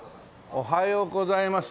おはようございます。